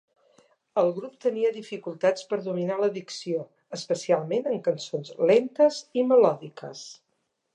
El grup tenia dificultats per dominar la dicció, especialment en cançons lentes i melòdiques.